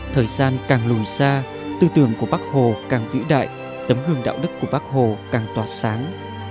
thời gian càng lùi xa tư tưởng của bác hồ càng vĩ đại tấm gương đạo đức của bác hồ càng tỏa sáng